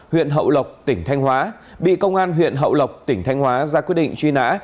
huyện hậu lộc tỉnh thanh hóa bị công an huyện hậu lộc tỉnh thanh hóa ra quyết định truy nã